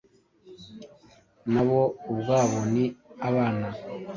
nabo ubwabo ni abana